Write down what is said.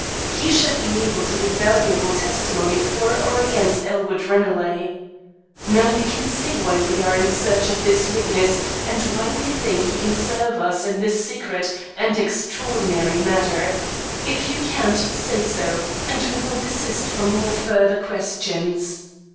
He should be able to give valuable testimony for or against Elwood Ranelagh. Now, you can see why we are in search of this witness and why we think you can serve us in this secret and extraordinary matter. If you can't, say so; and we will desist from all further questions.